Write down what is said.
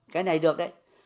cái này được đấy